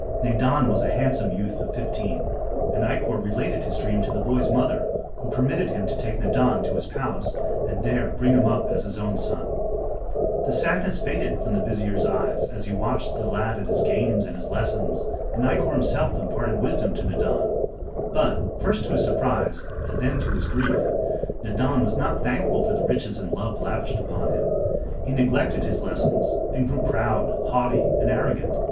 Nadan was a handsome youth of fifteen, and Ikkor related his dream to the boy's mother who permitted him to take Nadan to his palace and there bring him up as his own son. The sadness faded from the vizier's eyes as he watched the lad at his games and his lessons, and Ikkor himself imparted wisdom to Nadan. But, first to his surprise, and then to his grief, Nadan was not thankful for the riches and love lavished upon him. He neglected his lessons and grew proud, haughty and arrogant.